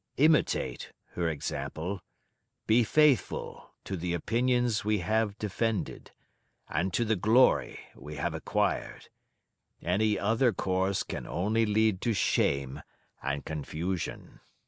Imitate her example, be faithful to the opinions we have defended, and to the glory we have acquired: any other course can only lead to shame and confusion."